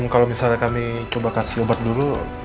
kalau misalnya kami coba kasih obat dulu